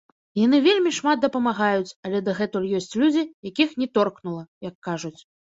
Яны вельмі шмат дапамагаюць, але дагэтуль ёсць людзі, якіх не торкнула, як кажуць.